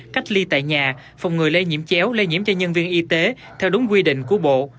cách ly tại nhà phòng người lây nhiễm chéo lây nhiễm cho nhân viên y tế theo đúng quy định của bộ